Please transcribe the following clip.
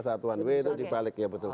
satuan w itu dibalik ya betul